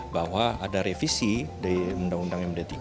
bahwa ada revisi dari undang undang md tiga